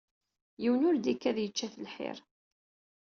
Yiwen ur d-ikad yečča-t lḥir.